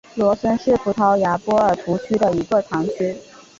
罗森是葡萄牙波尔图区的一个堂区。